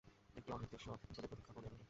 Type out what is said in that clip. একটা অনির্দেশ্য বিপদের প্রতীক্ষা করিয়া রহিলেন।